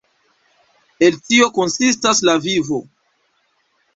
El tio konsistas la vivo.